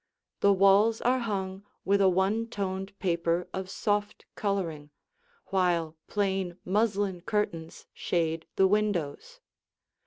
The walls are hung with a one toned paper of soft coloring, while plain muslin curtains shade the windows.